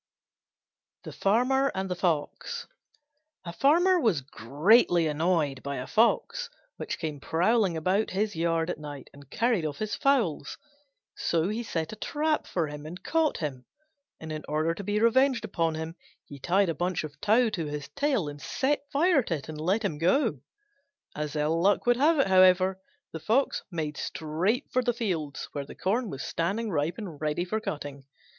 THE FARMER AND THE FOX A Farmer was greatly annoyed by a Fox, which came prowling about his yard at night and carried off his fowls. So he set a trap for him and caught him; and in order to be revenged upon him, he tied a bunch of tow to his tail and set fire to it and let him go. As ill luck would have it, however, the Fox made straight for the fields where the corn was standing ripe and ready for cutting.